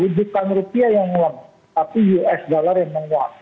lidikan rupiah yang melemah tapi usd yang menguap